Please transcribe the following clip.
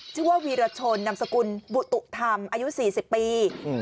ชื่อว่าวีรชนนามสกุลบุตุธรรมอายุ๔๐ปี